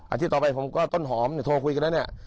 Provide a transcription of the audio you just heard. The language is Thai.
ที่ต่อไปผมก็ต้นหอมเนี่ยโทรคุยกันแล้วเนี่ย